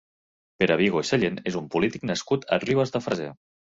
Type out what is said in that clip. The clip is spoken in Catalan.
Pere Vigo i Sallent és un polític nascut a Ribes de Freser.